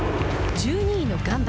１２位のガンバ。